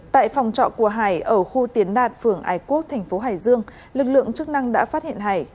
tại phòng trọ của hải ở khu tiến đạt phường ái quốc thành phố hải dương lực lượng chức năng đã phát hiện hải